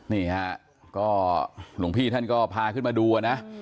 นี่ฮะก็หลวงพี่ท่านก็พาขึ้นมาดูนะ